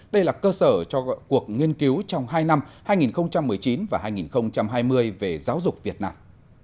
đây là cơ sở cho cuộc nghiên cứu trong hai năm hai nghìn một mươi chín và hai nghìn hai mươi về giáo dục việt nam